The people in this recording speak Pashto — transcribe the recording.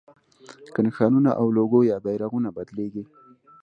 که نښانونه او لوګو یا بیرغونه بدلېږي.